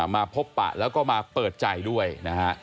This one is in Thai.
มาพบปะแล้วก็มาเปิดใจด้วยนะฮะ